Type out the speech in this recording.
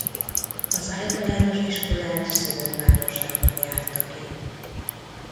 Az általános iskolát szülővárosában járta ki.